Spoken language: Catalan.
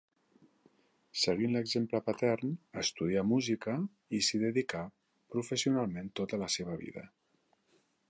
Seguint l'exemple patern, estudià música i s'hi dedicà professionalment tota la seva vida.